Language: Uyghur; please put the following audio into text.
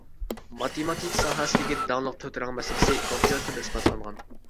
ماتېماتىكا ساھەسىدىكى داڭلىق «تۆت رەڭ مەسىلىسى» كومپيۇتېردا ئىسپاتلانغان.